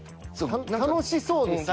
楽しそうですよね。